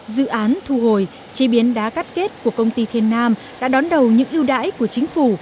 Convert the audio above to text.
dự án thu hồi chế biến đá cắt kết của công ty thiên nam đã đón đầu những ưu đãi của chính phủ